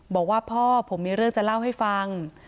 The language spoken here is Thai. บอกว่าพ่อผมมีเรื่องจะเล่าให้ฟัง